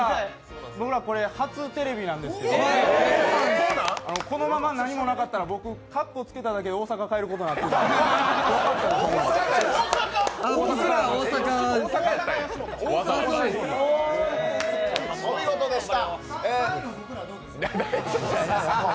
僕ら、これ初テレビなんですけどこのまま何もなかったら僕、かっこつけただけで大阪帰るとこでした。